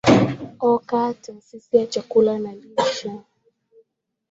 oka taasisi ya chakula na lishe